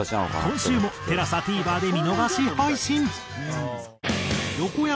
今週もＴＥＬＡＳＡＴＶｅｒで見逃し配信。